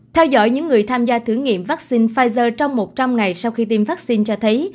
theo dõi những người tham gia thử nghiệm vaccine pfizer trong một trăm linh ngày sau khi tiêm vaccine cho thấy